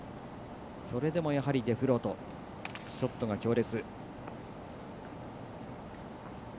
それでも、デフロートショットが強烈。